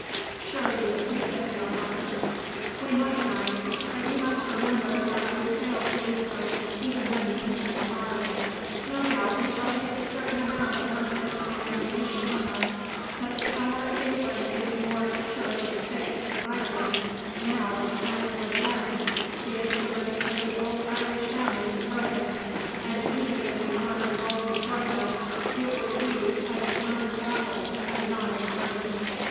"Sure we would beat them, your honour." "We might, Mike; but you must remember that we failed to do so, even when the people were armed. No doubt we shall take a certain amount of muskets and ammunition with us, but the power of England is more assuredly fixed in Ireland now than it was then the influence of the old Irish families is broken, and even if we armed all who joined us, it would be but an armed rabble and not an army.